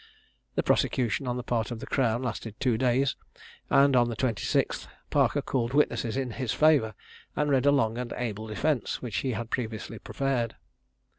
The prosecution on the part of the Crown lasted two days, and on the 26th, Parker called witnesses in his favour, and read a long and able defence which he had previously prepared.